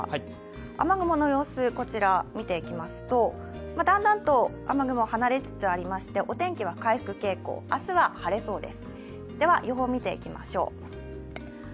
雨雲の様子を見ていきますと、だんだんと雨雲、離れつつありまして、お天気は回復傾向、明日は晴れそうです。